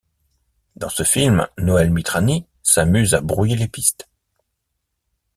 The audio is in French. Dans ce film, Noël Mitrani s’amuse à brouiller les pistes.